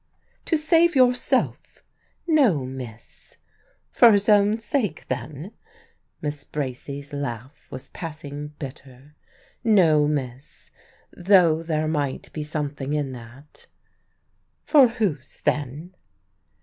"To save yourself!" "No, miss." "For his own sake, then?" Miss Bracy's laugh was passing bitter. "No, miss though there might be something in that." "For whose then?"